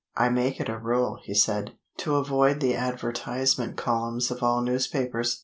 "I make it a rule," he said, "to avoid the advertisement columns of all newspapers.